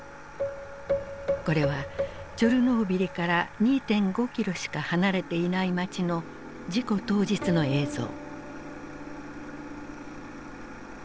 これはチョルノービリから２．５キロしか離れていない街の事故当日の映像。